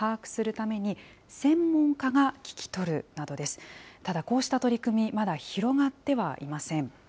ただ、こうした取り組み、まだ広がってはいません。